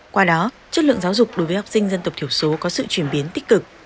qua đó chất lượng giáo dục đối với học sinh dân tộc thiểu số có sự chuyển biến tích cực